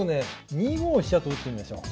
２五飛車と打ってみましょう。